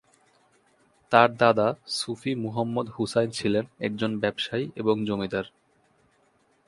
তার দাদা সুফি মুহাম্মদ হুসাইন ছিলেন একজন ব্যবসায়ী এবং জমিদার।